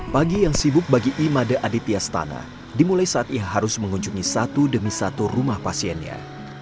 pagi yang sibuk bagi imade aditya stana dimulai saat ia harus mengunjungi satu demi satu rumah pasiennya